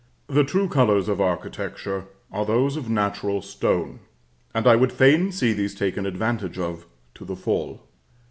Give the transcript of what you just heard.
The true colors of architecture are those of natural stone, and I would fain see these taken advantage of to the full.